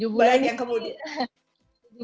tujuh bulan yang kemudian